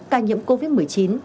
ca nhiễm covid một mươi chín